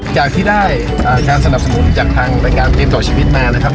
จากที่ได้สนับสมุนจากทางการเตรียมต่อชีวิตมาครับครับ